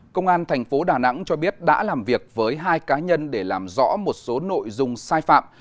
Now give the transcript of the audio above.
công an thành phố đà nẵng cho biết đã làm việc với hai cá nhân để làm rõ một số nội dung sai phạm